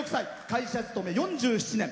会社勤め４７年。